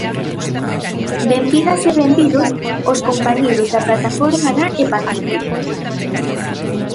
Benvidas e benvidos os compañeiros da Plataforma da Hepatite.